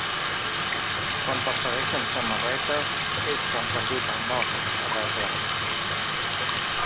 Quan persegueixen samarretes és que han perdut el nord, ha reblat.